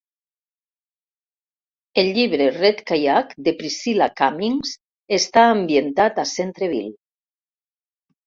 El llibre "Red Kayak" de Priscilla Cummings està ambientat a Centreville.